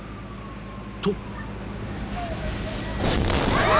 ［と］